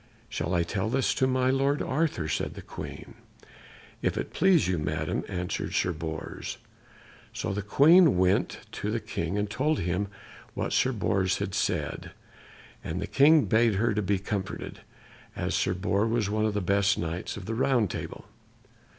"Shall I tell this to my lord Arthur?" said the Queen. "If it pleases you, Madam," answered Sir Bors. So the Queen went to the King, and told him what Sir Bors had said, and the King bade her to be comforted, as Sir Bors was one of the best Knights of the Round Table.